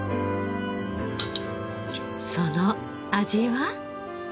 その味は？